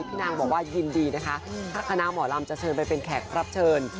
นางบอกว่ายินดีนะคะถ้าคณะหมอลำจะเชิญไปเป็นแขกรับเชิญ